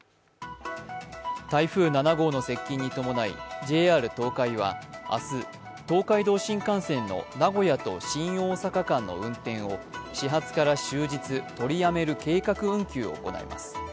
台風７号の接近に伴いＪＲ東海は明日東海道新幹線の名古屋と新大阪間の運転を始発から終日取りやめる計画運休を行います。